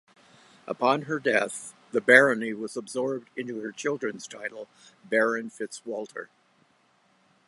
Upon her death, the Barony was absorbed into her children's title Baron FitzWalter.